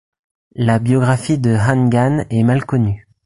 La biographie de Han Gan est mal connue.